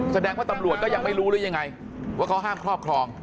แสดงว่าตำรวจก็ยังไม่รู้หรือยังไงว่าเขาห้ามครอบครอง